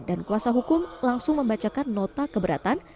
dan kuasa hukum langsung membacakan nota keberatan